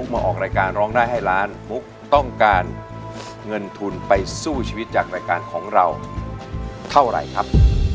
ุ๊กมาออกรายการร้องได้ให้ล้านมุกต้องการเงินทุนไปสู้ชีวิตจากรายการของเราเท่าไหร่ครับ